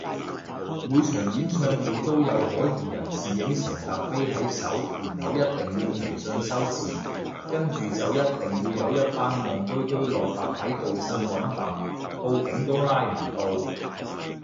每場演唱會都有可疑人士影成疊飛喺手然後一定要微信收錢，跟住就一定會有一班戇居居落疊喺度呻搵笨，報警都拉唔到